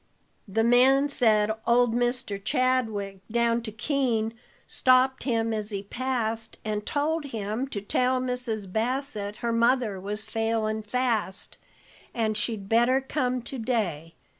The man said old Mr. Chadwick, down to Keene, stopped him as he passed, and told him to tell Mrs. Bassett her mother was failin' fast, and she'd better come to day.